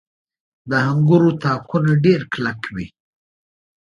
• د انګورو تاکونه ډېر کلک وي.